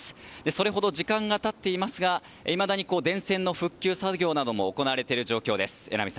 それほど時間が経っていますがいまだに電線の復旧作業なども行われている状況です。